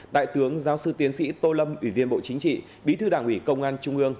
đại tướng giáo sư tiến sĩ tô lâm ủy viên bộ chính trị bí thư đảng ủy công an trung ương